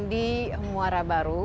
di muara baru